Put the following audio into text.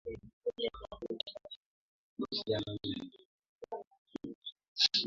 Kufunga reli ya kisasa iliyojengwa na China kwa gharama ya dola bilioni tatu